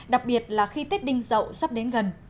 đặc biệt là khi tết đinh dậu sắp đến gần